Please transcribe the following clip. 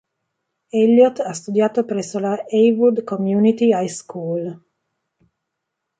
Elliott ha studiato presso la Heywood Community High School.